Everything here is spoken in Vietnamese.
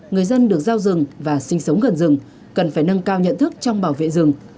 người dân được giao rừng và sinh sống gần rừng cần phải nâng cao nhận thức trong bảo vệ rừng